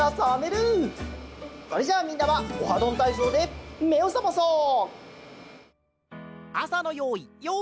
それじゃあみんなは「オハどんたいそう」でめをさまそう！